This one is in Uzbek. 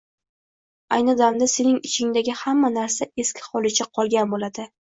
Ayni damda sening ichingdagi hamma narsa eski holicha qolgan bo‘ladi.